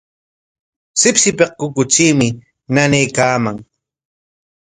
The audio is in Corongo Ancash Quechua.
Shipshipik kukutriimi nanaykaaman.